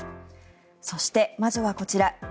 そしてまずはこちら。